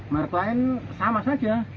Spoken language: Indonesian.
merek lain sama saja